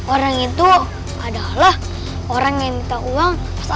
orang itu adalah orang yang minta uang pas atraksi debu